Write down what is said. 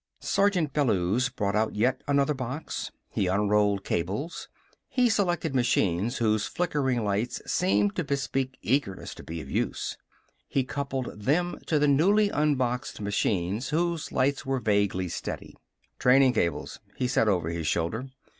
Sergeant Bellews brought out yet another box. He unrolled cables. He selected machines whose flickering lights seemed to bespeak eagerness to be of use. He coupled them to the newly unboxed machines, whose lights were vaguely steady. "Training cables," he said over his shoulder.